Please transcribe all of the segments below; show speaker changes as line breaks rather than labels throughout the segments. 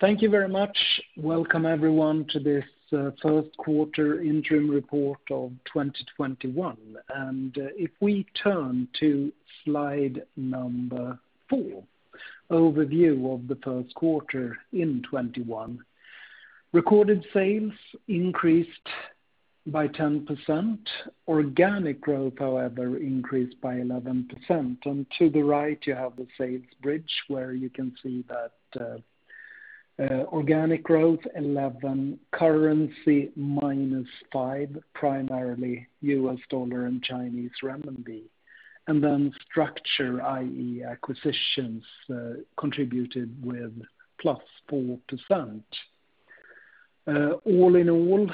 Thank you very much. Welcome everyone to this First Quarter Interim Report of 2021. If we turn to slide number four, overview of the first quarter in 2021. Recorded sales increased by 10%. Organic growth, however, increased by 11%. To the right, you have the sales bridge where you can see that organic growth 11%, currency -5%, primarily USD and CNY. Then structure, i.e., acquisitions, contributed with +4%. All in all,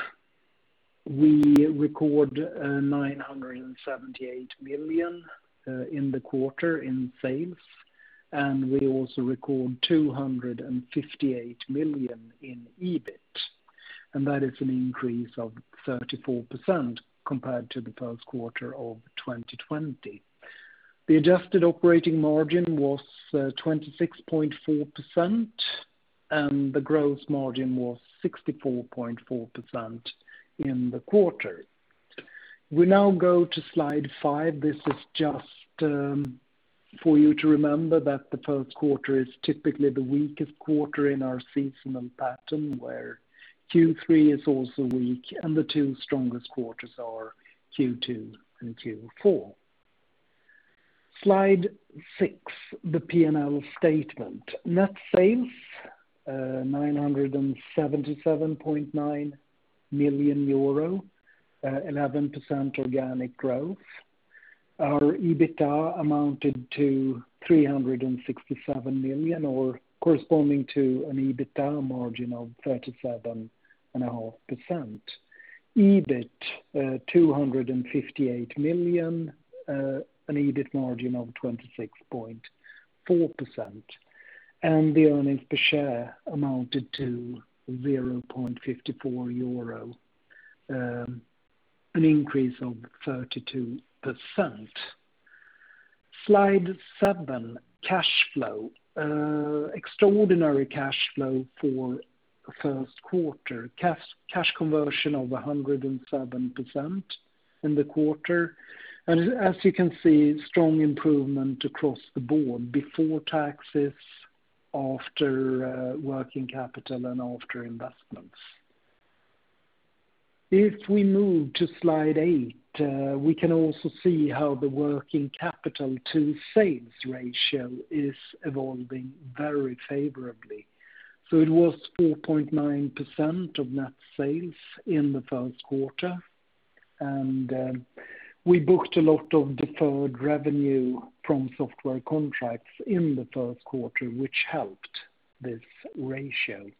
we record 978 million in the quarter in sales, and we also record 258 million in EBIT. That is an increase of 34% compared to the first quarter of 2020. The adjusted operating margin was 26.4%, and the gross margin was 64.4% in the quarter. We now go to slide five. This is just for you to remember that the first quarter is typically the weakest quarter in our seasonal pattern, where Q3 is also weak and the two strongest quarters are Q2 and Q4. Slide six, the P&L statement. Net sales, 977.9 million euro, 11% organic growth. Our EBITDA amounted to 367 million or corresponding to an EBITDA margin of 37.5%. EBIT, 258 million, an EBIT margin of 26.4%. The earnings per share amounted to 0.54 euro, an increase of 32%. Slide seven, cash flow. Extraordinary cash flow for first quarter. Cash conversion of 107% in the quarter. As you can see, strong improvement across the board before taxes, after working capital, and after investments. If we move to slide eight, we can also see how the working capital to sales ratio is evolving very favorably. It was 4.9% of net sales in the first quarter. We booked a lot of deferred revenue from software contracts in the first quarter, which helped this ratio.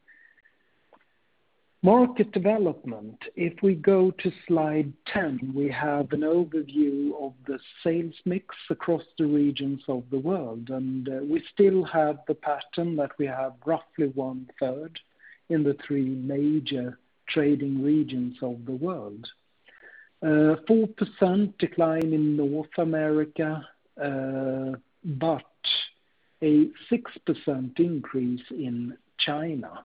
Market development. If we go to slide 10, we have an overview of the sales mix across the regions of the world. We still have the pattern that we have roughly one-third in the three major trading regions of the world. 4% decline in North America, a 6% increase in China.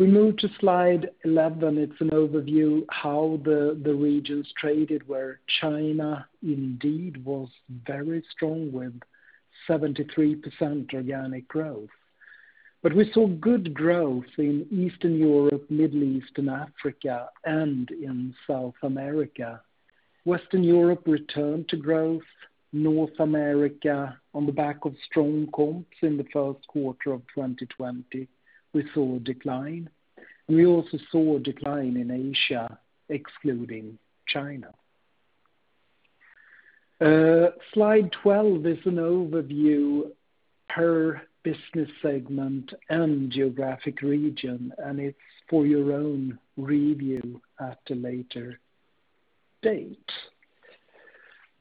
We move to slide 11. It's an overview how the regions traded, where China indeed was very strong with 73% organic growth. We saw good growth in Eastern Europe, Middle East and Africa, and in South America. Western Europe returned to growth. North America, on the back of strong comps in the first quarter of 2020, we saw a decline. We also saw a decline in Asia, excluding China. Slide 12 is an overview per business segment and geographic region. It's for your own review at a later date.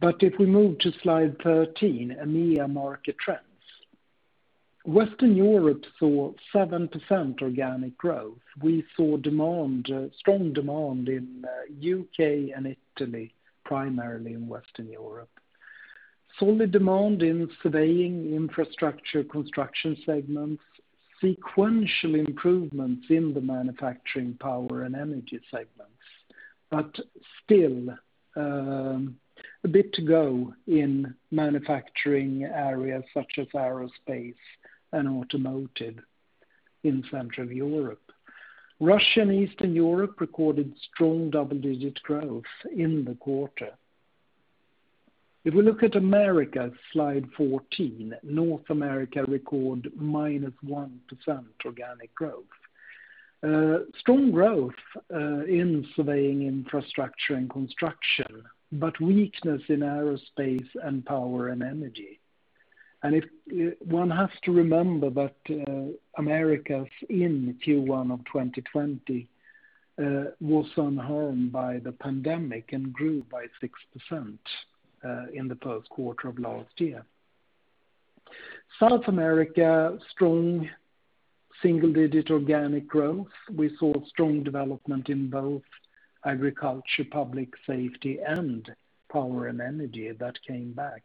If we move to slide 13, EMEA market trends. Western Europe saw 7% organic growth. We saw strong demand in U.K. and Italy, primarily in Western Europe. Solid demand in surveying infrastructure construction segments, sequential improvements in the manufacturing power and energy segments, still a bit to go in manufacturing areas such as aerospace and automotive in Central Europe. Russia and Eastern Europe recorded strong double-digit growth in the quarter. If we look at America, slide 14, North America record -1% organic growth. Strong growth in surveying infrastructure and construction, weakness in aerospace and power and energy. One has to remember that Americas in Q1 2020 was unharmed by the pandemic and grew by 6% in the first quarter of last year. South America, strong single-digit organic growth. We saw strong development in both agriculture, public safety, and power and energy that came back.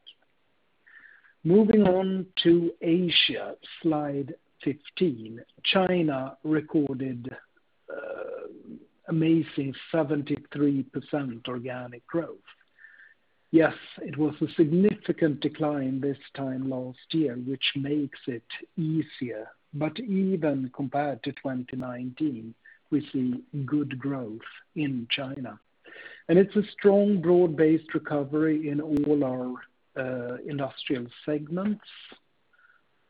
Moving on to Asia, slide 15. China recorded amazing 73% organic growth. Yes, it was a significant decline this time last year, which makes it easier. Even compared to 2019, we see good growth in China. It's a strong, broad-based recovery in all our industrial segments.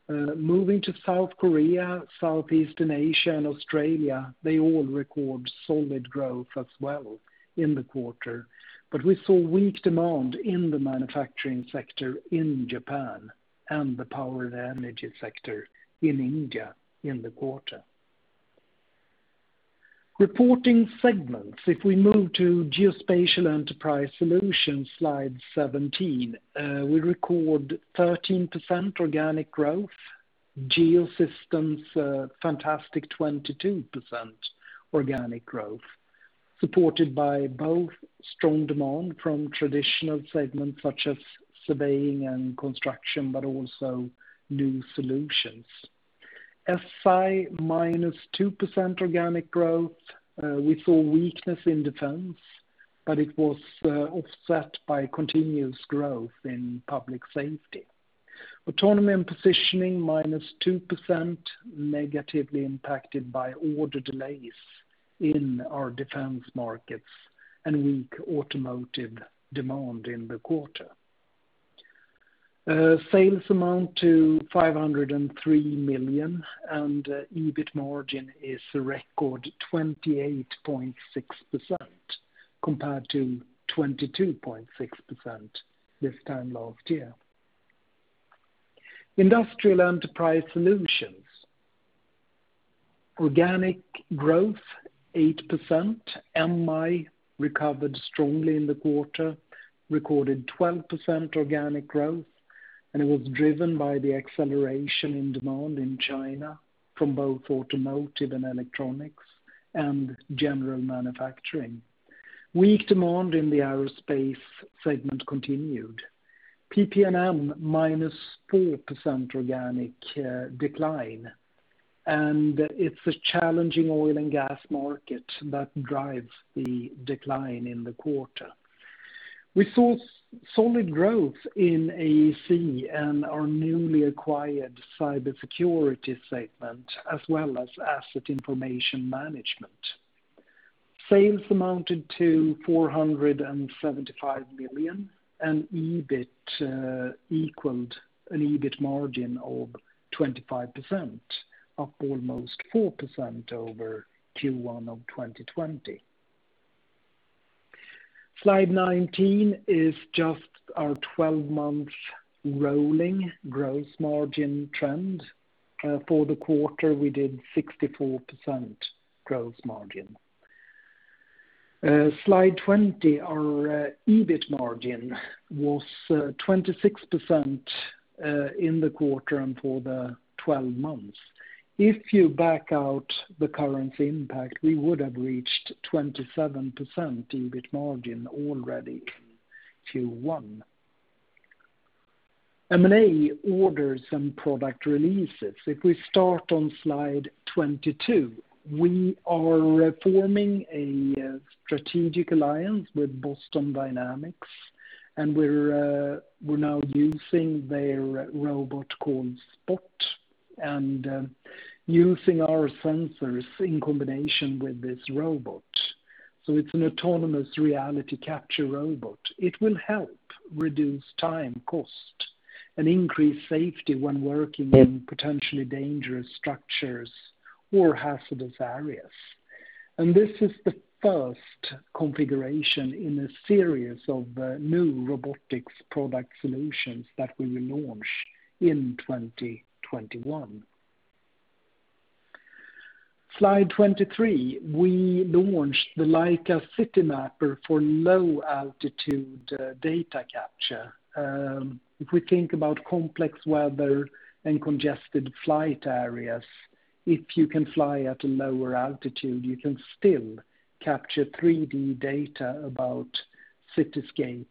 Moving to South Korea, Southeastern Asia, and Australia, they all record solid growth as well in the quarter. We saw weak demand in the manufacturing sector in Japan and the power and energy sector in India in the quarter. Reporting segments. If we move to Geospatial Enterprise Solutions, slide 17, we record 13% organic growth. Geosystems, fantastic 22% organic growth, supported by both strong demand from traditional segments such as surveying and construction, but also new solutions. S&I, -2% organic growth. We saw weakness in defense, but it was offset by continuous growth in public safety. Autonomy & Positioning, -2%, negatively impacted by order delays in our defense markets and weak automotive demand in the quarter. Sales amount to 503 million, and EBIT margin is a record 28.6%, compared to 22.6% this time last year. Industrial Enterprise Solutions. Organic growth, 8%. MI recovered strongly in the quarter, recorded 12% organic growth, and it was driven by the acceleration in demand in China from both automotive and electronics and general manufacturing. Weak demand in the aerospace segment continued. PP&M, minus 4% organic decline, and it's a challenging oil and gas market that drives the decline in the quarter. We saw solid growth in AEC and our newly acquired cybersecurity segment, as well as asset information management. Sales amounted to 475 million, and equaled an EBIT margin of 25%, up almost 4% over Q1 of 2020. Slide 19 is just our 12-month rolling gross margin trend. For the quarter, we did 64% gross margin. Slide 20, our EBIT margin was 26% in the quarter and for the 12 months. If you back out the currency impact, we would have reached 27% EBIT margin already in Q1. M&A orders and product releases. If we start on slide 22, we are forming a strategic alliance with Boston Dynamics, and we're now using their robot called Spot and using our sensors in combination with this robot. It's an autonomous reality capture robot. It will help reduce time cost and increase safety when working in potentially dangerous structures or hazardous areas. This is the first configuration in a series of new robotics product solutions that we will launch in 2021. Slide 23, we launched the Leica CityMapper for low-altitude data capture. If we think about complex weather and congested flight areas, if you can fly at a lower altitude, you can still capture 3D data about cityscapes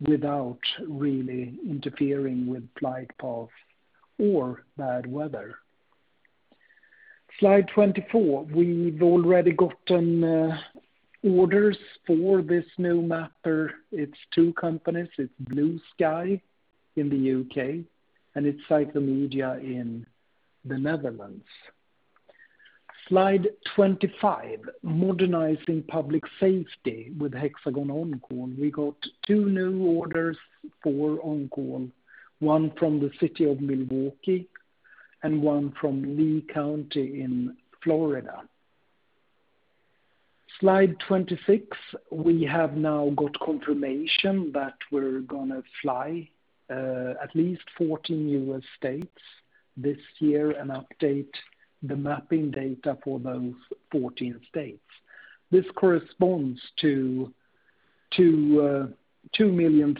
without really interfering with flight path or bad weather. Slide 24, we've already gotten orders for this new mapper. It's two companies. It's Bluesky in the U.K. and it's Cyclomedia in the Netherlands. Slide 25, modernizing public safety with HxGN OnCall. We got two new orders for OnCall, one from the city of Milwaukee and one from Lee County in Florida. Slide 26, we have now got confirmation that we're going to fly at least 14 U.S. states this year and update the mapping data for those 14 states. This corresponds to 2.3 million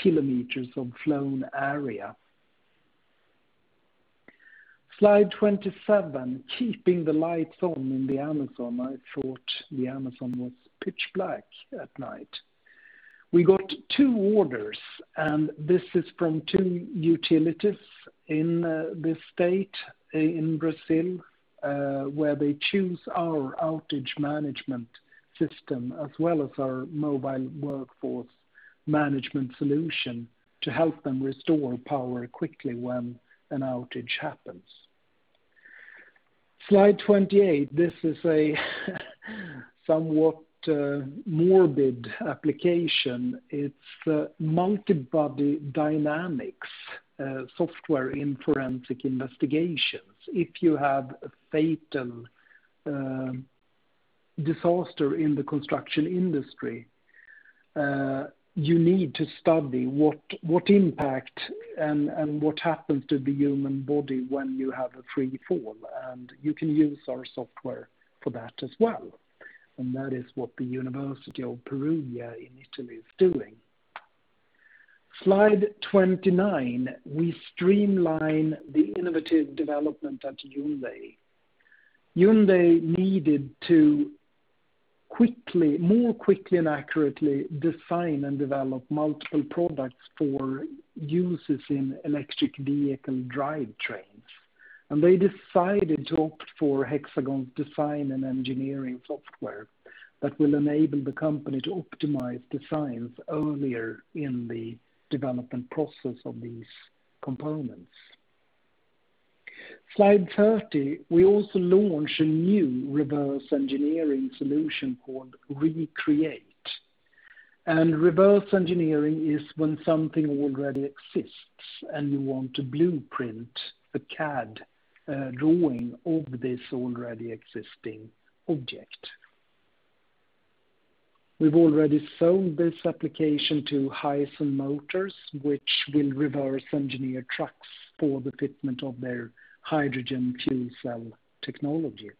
Sq km of flown area. Slide 27, keeping the lights on in the Amazon. I thought the Amazon was pitch black at night. We got two orders. This is from two utilities in this state in Brazil, where they chose our outage management system as well as our mobile workforce management solution to help them restore power quickly when an outage happens. Slide 28. This is a somewhat morbid application. It's multi-body dynamics software in forensic investigations. If you have a fatal disaster in the construction industry, you need to study what impact and what happens to the human body when you have a free fall, and you can use our software for that as well. That is what the University of Perugia in Italy is doing. Slide 29. We streamline the innovative development at Hyundai. Hyundai needed to more quickly and accurately design and develop multiple products for uses in electric vehicle drivetrains. They decided to opt for Hexagon's design and engineering software that will enable the company to optimize designs earlier in the development process of these components. Slide 30, we also launched a new reverse engineering solution called REcreate. Reverse engineering is when something already exists, and you want to blueprint a CAD drawing of this already existing object. We've already sold this application to Hyzon Motors, which will reverse engineer trucks for the fitment of their hydrogen fuel cell technology.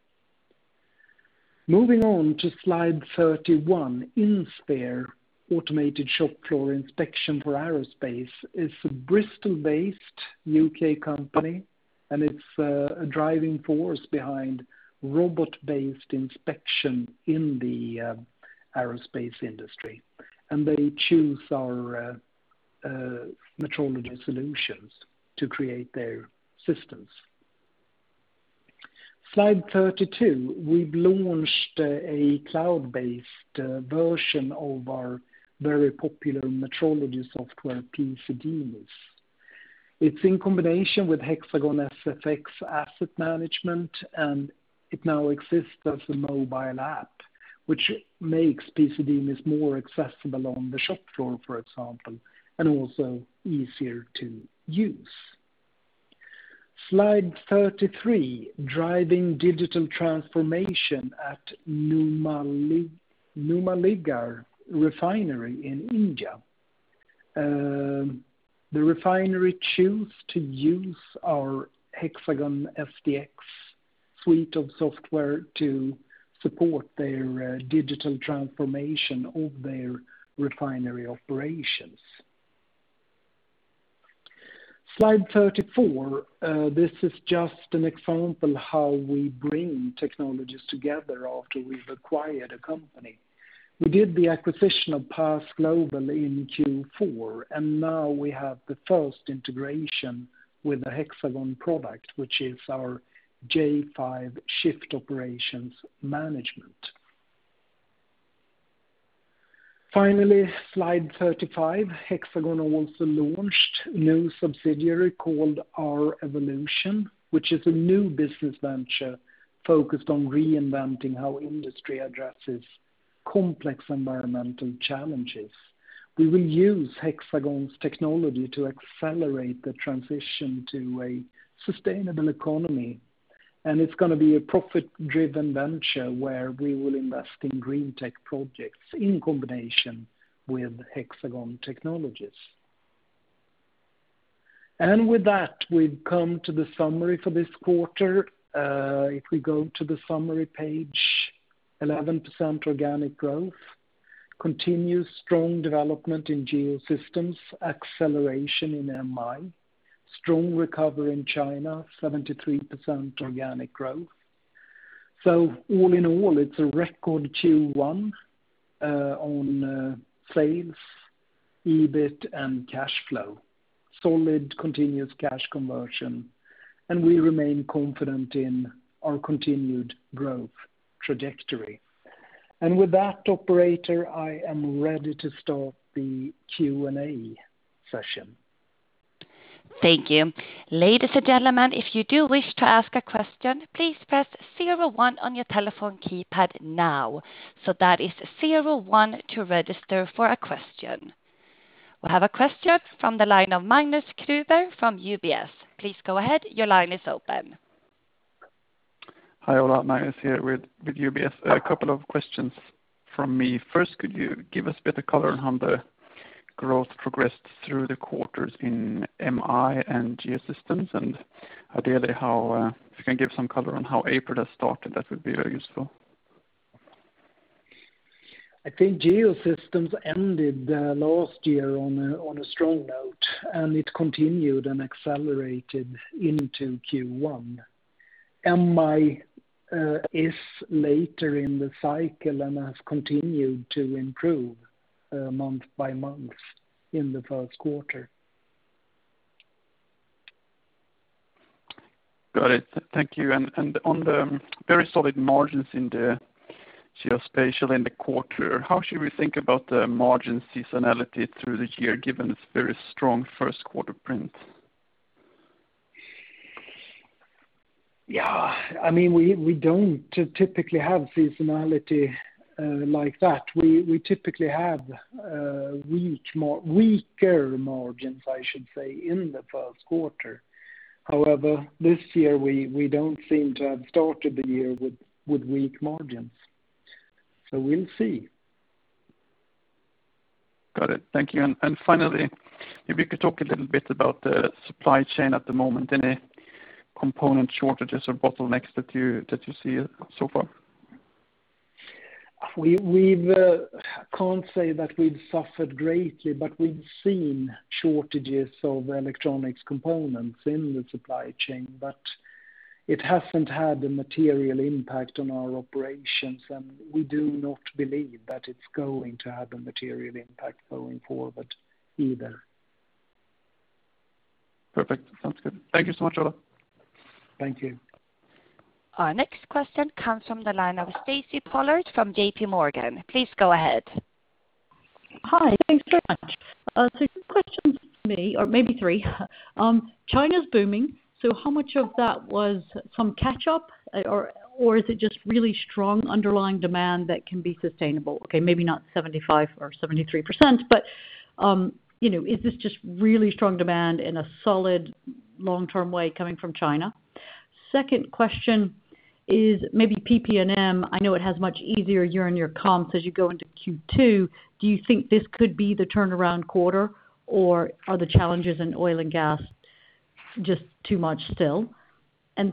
Moving on to slide 31. INSPHERE, automated shop floor inspection for aerospace is a Bristol-based U.K. company, and it's a driving force behind robot-based inspection in the aerospace industry. They choose our metrology solutions to create their systems. Slide 32, we've launched a cloud-based version of our very popular metrology software, PC-DMIS. It's in combination with Hexagon SFx asset management, and it now exists as a mobile app, which makes PC-DMIS more accessible on the shop floor, for example, and also easier to use. Slide 33, driving digital transformation at Numaligarh Refinery in India. The refinery choose to use our HxGN SDx suite of software to support their digital transformation of their refinery operations. Slide 34. This is just an example how we bring technologies together after we've acquired a company. We did the acquisition of PAS Global in Q4. Now we have the first integration with a Hexagon product, which is our j5 shift operations management. Finally, slide 35. Hexagon also launched new subsidiary called R-evolution, which is a new business venture focused on reinventing how industry addresses complex environmental challenges. We will use Hexagon's technology to accelerate the transition to a sustainable economy. It's going to be a profit-driven venture where we will invest in green tech projects in combination with Hexagon technologies. With that, we've come to the summary for this quarter. If we go to the summary page, 11% organic growth, continued strong development in Geosystems, acceleration in MI, strong recovery in China, 73% organic growth. All in all, it's a record Q1 on sales, EBIT and cash flow. Solid, continuous cash conversion. We remain confident in our continued growth trajectory. With that operator, I am ready to start the Q&A session.
Thank you. Ladies and gentlemen, if you do wish to ask a question, please press zero one on your telephone keypad now. That is zero one to register for a question. We have a question from the line of Magnus Kruber from UBS. Please go ahead. Your line is open.
Hi, Ola. Magnus here with UBS. A couple of questions from me. First, could you give us a bit of color on the growth progressed through the quarters in MI and Geosystems, and ideally if you can give some color on how April has started, that would be very useful.
I think Geosystems ended last year on a strong note, and it continued and accelerated into Q1. MI is later in the cycle and has continued to improve month by month in the first quarter.
Got it. Thank you. On the very solid margins in the Geospatial in the quarter, how should we think about the margin seasonality through the year, given its very strong first quarter print?
Yeah. We don't typically have seasonality like that. We typically have weaker margins, I should say, in the first quarter. However, this year, we don't seem to have started the year with weak margins. We'll see.
Got it. Thank you. Finally, if you could talk a little bit about the supply chain at the moment, any component shortages or bottlenecks that you see so far?
We can't say that we've suffered greatly, but we've seen shortages of electronics components in the supply chain, but it hasn't had a material impact on our operations, and we do not believe that it's going to have a material impact going forward either.
Perfect. Sounds good. Thank you so much, Ola.
Thank you.
Our next question comes from the line of Stacy Pollard from JPMorgan. Please go ahead.
Hi. Thanks so much. Two questions from me, or maybe three. China's booming, how much of that was some catch-up, or is it just really strong underlying demand that can be sustainable? Okay, maybe not 75% or 73%, is this just really strong demand in a solid long-term way coming from China? Second question is maybe PP&M, I know it has much easier year-on-year comps as you go into Q2, do you think this could be the turnaround quarter, or are the challenges in oil and gas just too much still?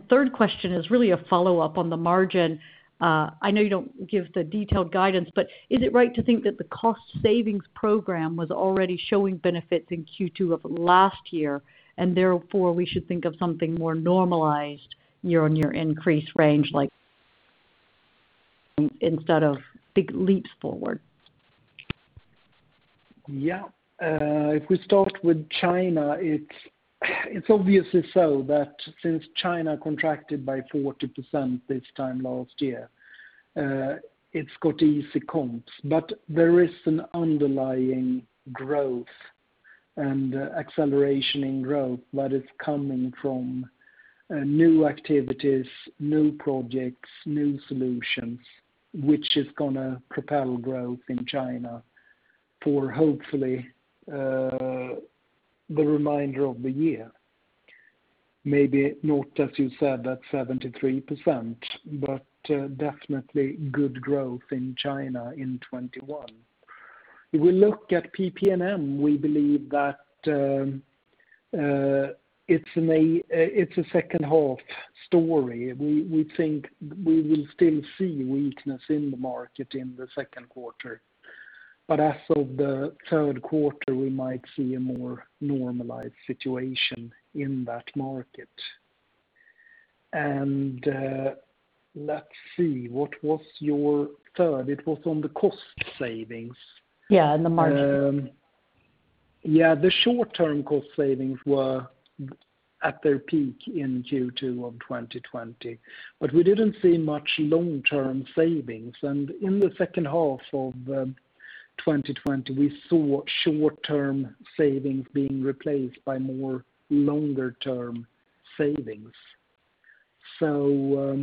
Third question is really a follow-up on the margin. I know you don't give the detailed guidance, is it right to think that the cost savings program was already showing benefits in Q2 of last year, and therefore we should think of something more normalized year-on-year increase range, instead of big leaps forward?
Yeah. If we start with China, it's obvious so that since China contracted by 40% this time last year, it's got easy comps. There is an underlying growth and acceleration in growth that is coming from new activities, new projects, new solutions, which is going to propel growth in China for hopefully the remainder of the year. Maybe not, as you said, that 73%, but definitely good growth in China in 2021. If we look at PP&M, we believe that it's a second half story. We think we will still see weakness in the market in the second quarter. As of the third quarter, we might see a more normalized situation in that market. Let's see, what was your third? It was on the cost savings.
Yeah, and the margin.
Yeah. The short-term cost savings were at their peak in Q2 of 2020, but we didn't see much long-term savings. In the second half of 2020, we saw short-term savings being replaced by more longer-term savings. Yeah,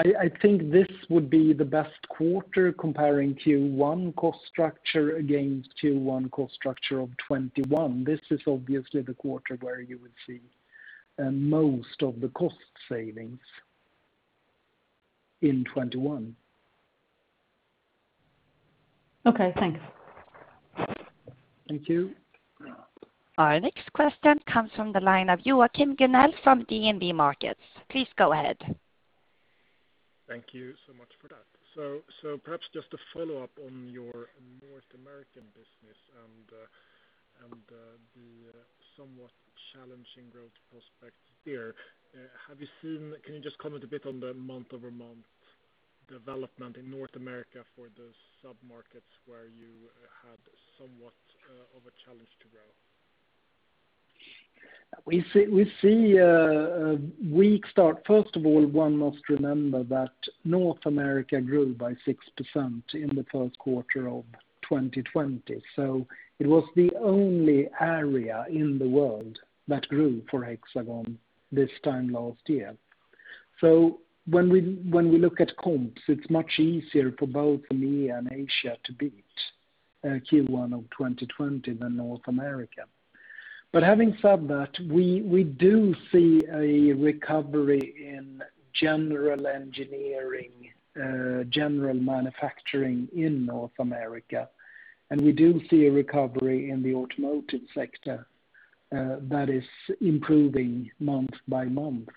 I think this would be the best quarter comparing Q1 cost structure against Q1 cost structure of 2021. This is obviously the quarter where you would see most of the cost savings in 2021.
Okay, thanks.
Thank you.
Our next question comes from the line of Joachim Gunell from DNB Markets. Please go ahead.
Thank you so much for that. Perhaps just a follow-up on your North American business and the somewhat challenging growth prospects there. Can you just comment a bit on the month-over-month development in North America for the sub-markets where you had somewhat of a challenge to grow?
We see a weak start. First of all, one must remember that North America grew by 6% in the first quarter of 2020. It was the only area in the world that grew for Hexagon this time last year. When we look at comps, it's much easier for both EMEA and Asia to beat Q1 of 2020 than North America. Having said that, we do see a recovery in general engineering, general manufacturing in North America. We do see a recovery in the automotive sector that is improving month by month.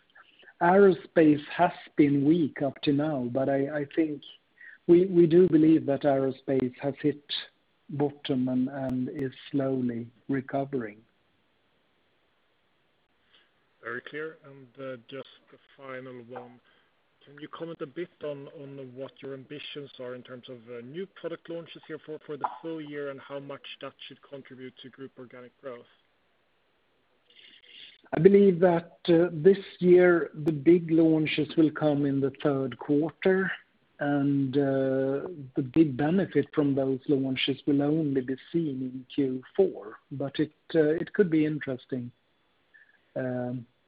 Aerospace has been weak up to now, but we do believe that aerospace has hit bottom and is slowly recovering.
Very clear. Just the final one. Can you comment a bit on what your ambitions are in terms of new product launches here for the full year, and how much that should contribute to group organic growth?
I believe that this year the big launches will come in the third quarter, and the big benefit from those launches will only be seen in Q4. It could be interesting,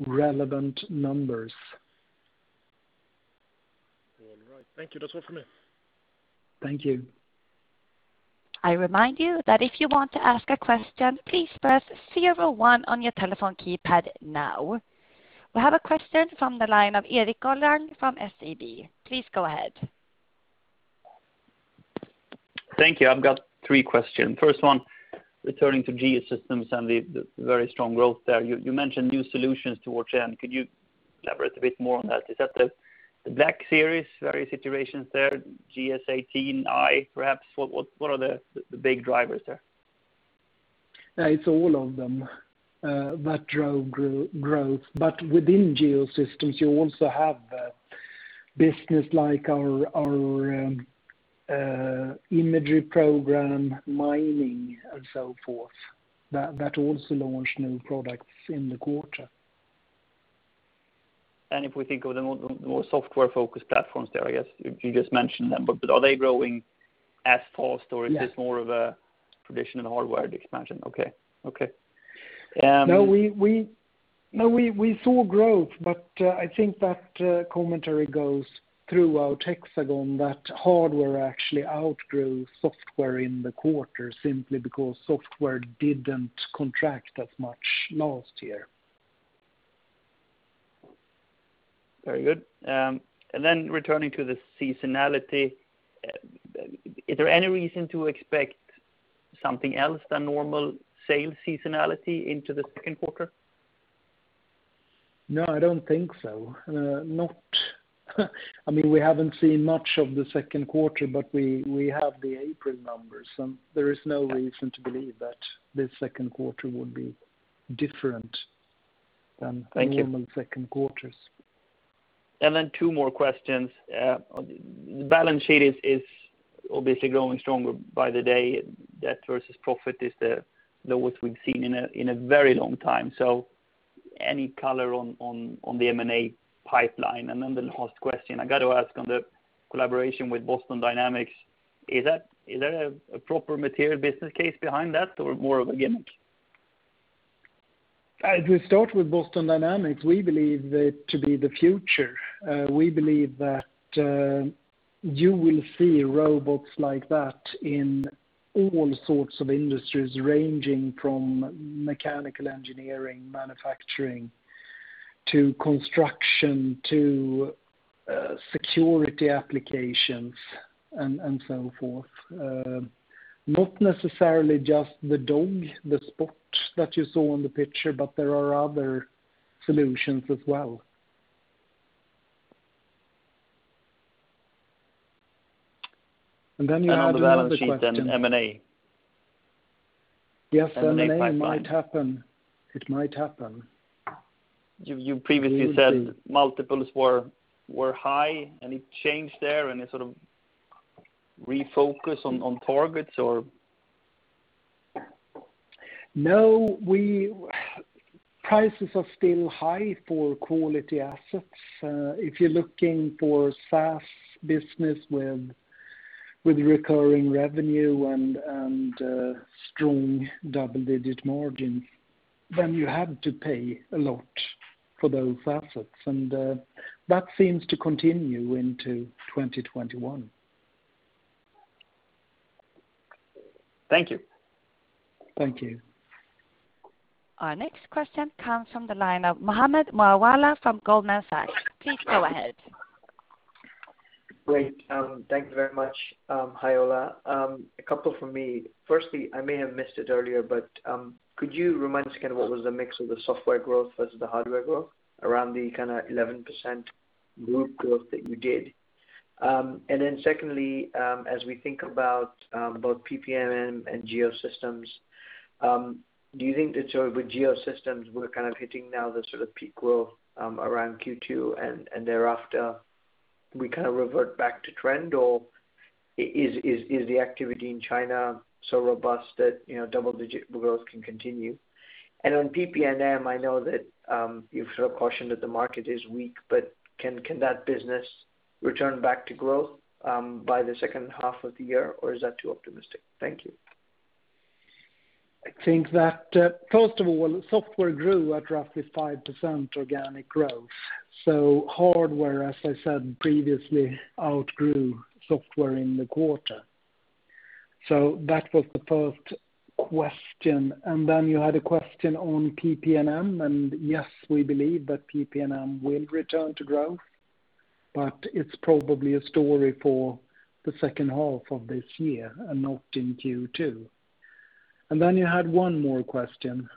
relevant numbers.
All right. Thank you. That's all for me.
Thank you.
I remind you that if you want to ask a question, please press zero one on your telephone keypad now. We have a question from the line of Erik Golrang from SEB. Please go ahead.
Thank you. I have got three questions. First one, returning to Geosystems and the very strong growth there. You mentioned new solutions towards the end. Could you elaborate a bit more on that? Is that the BLK series, various situations there? GS18 I perhaps? What are the big drivers there?
It's all of them that drove growth. Within Geosystems, you also have business like our imagery program, mining and so forth, that also launched new products in the quarter.
If we think of the more software-focused platforms there, I guess you just mentioned them, but are they growing as fast, or-
Yeah
is this more of a traditional hardware expansion? Okay.
No. We saw growth, but I think that commentary goes throughout Hexagon, that hardware actually outgrew software in the quarter, simply because software didn't contract as much last year.
Very good. Returning to the seasonality, is there any reason to expect something else than normal sales seasonality into the second quarter?
I don't think so. We haven't seen much of the second quarter, but we have the April numbers, and there is no reason to believe that this second quarter would be different than.
Thank you.
Normal second quarters.
Two more questions. The balance sheet is obviously growing stronger by the day. Debt versus profit is the lowest we've seen in a very long time. Any color on the M&A pipeline? The last question I got to ask on the collaboration with Boston Dynamics, is there a proper material business case behind that or more of a gimmick?
To start with Boston Dynamics, we believe it to be the future. We believe that you will see robots like that in all sorts of industries, ranging from mechanical engineering, manufacturing, to construction, to security applications and so forth. Not necessarily just the dog, the Spot that you saw in the picture, but there are other solutions as well. Then you had another question.
On the balance sheet, then M&A.
Yes, M&A might happen.
You previously said multiples were high. Any change there, any sort of refocus on targets or?
No. Prices are still high for quality assets. If you're looking for SaaS business with recurring revenue and strong double-digit margins, then you have to pay a lot for those assets. That seems to continue into 2021.
Thank you.
Thank you.
Our next question comes from the line of Mohammed Moawalla from Goldman Sachs. Please go ahead.
Great. Thank you very much. Hi, Ola. A couple from me. Firstly, I may have missed it earlier, but could you remind us, what was the mix of the software growth versus the hardware growth around the kind of 11% group growth that you did? Secondly, as we think about both PP&M and Geosystems, do you think that with Geosystems we're kind of hitting now the sort of peak growth around Q2, and thereafter we kind of revert back to trend? Or is the activity in China so robust that double-digit growth can continue? On PP&M, I know that you've sort of cautioned that the market is weak, but can that business return back to growth by the second half of the year, or is that too optimistic? Thank you.
I think that, first of all, software grew at roughly 5% organic growth. Hardware, as I said previously, outgrew software in the quarter. That was the first question. You had a question on PP&M, and yes, we believe that PP&M will return to growth, but it's probably a story for the second half of this year and not in Q2. You had one more question.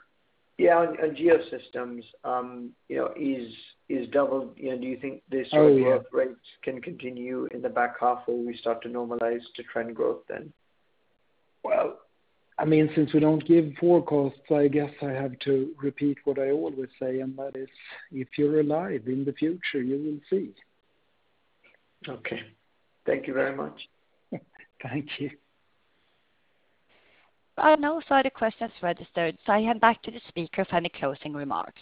Yeah. On Geosystems, do you think this sort of growth rates can continue in the back half, or we start to normalize to trend growth then?
Well, since we don't give forecasts, I guess I have to repeat what I always say, and that is, if you're alive in the future, you will see.
Okay. Thank you very much.
Thank you.
No other questions registered. I hand back to the speaker for any closing remarks.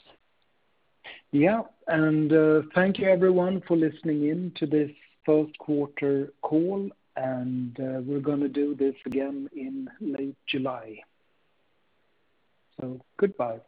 Yeah. Thank you everyone for listening in to this first quarter call. We're going to do this again in late July. Goodbye.